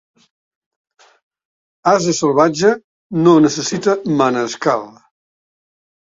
Ase salvatge no necessita manescal.